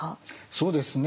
そうですね